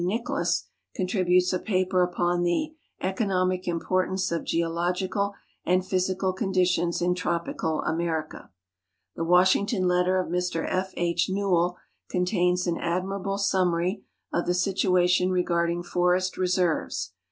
Nicholas contributes a paper upon the " Eco nomic Importance of Geological and Physical Conditions in Tropical America." The Washington letter of Mr F. H. Newell contains an ad mirable summary of the situation regarding forest reserves.